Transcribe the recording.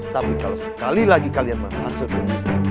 tapi kalau sekali lagi kalian bermaksud